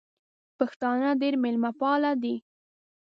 پښتانه ډېر مېلمه پال دي.